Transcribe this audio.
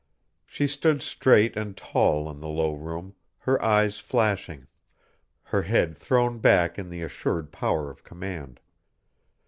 She stood straight and tall in the low room, her eyes flashing, her head thrown back in the assured power of command.